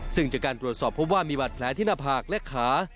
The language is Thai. ซึ่งจากการตรวจสอบพบว่ามีบาดแผลที่หน้าผากและขา